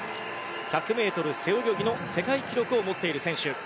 １００ｍ背泳ぎの世界記録を持っている選手。